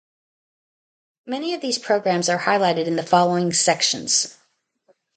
Many of these programs are highlighted in the following sections.